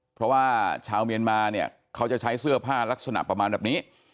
เพราะว่าชาวเมียนมาเนี่ยเขาจะใช้เสื้อผ้าลักษณะประมาณแบบนี้